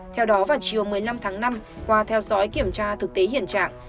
theo đó vào chiều một mươi năm tháng năm qua theo dõi kiểm tra thực tế hiện trạng